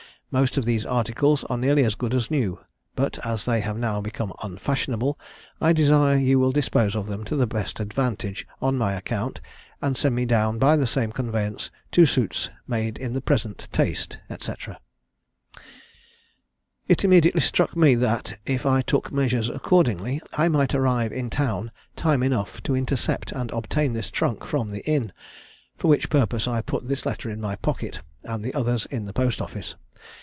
Most of these articles are nearly as good as new; but, as they have now become unfashionable, I desire you will dispose of them to the best advantage, on my account, and send me down by the same conveyance two suits made in the present taste,' &c. "It immediately struck me, that, if I took measures accordingly, I might arrive in town time enough to intercept and obtain this trunk from the inn; for which purpose I put this letter in my pocket, and the others in the post office.